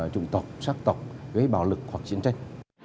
chủng tộc sát tộc gây bạo lực hoặc chiến tranh